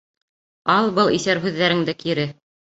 Ал был иҫәр һүҙҙәреңде кире!